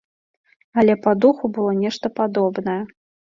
Але па духу было нешта падобнае.